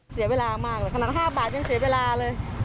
เสียเวลามากเลยขนาด๕บาทยังเสียเวลาเลย